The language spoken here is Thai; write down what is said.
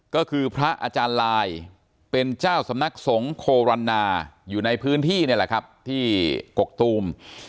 ก็คือพระอาจารย์ลายเป็นเจ้าสำนักสงฆ์โครรณาอยู่ในพื้นที่นี่แหละครับที่กกตูม